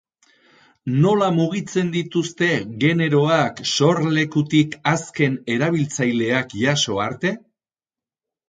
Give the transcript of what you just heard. Nola mugitzen dituzte generoak sorlekutik azken erabiltzaileak jaso arte?